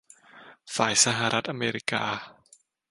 ฝ่ายสหรัฐอเมริกา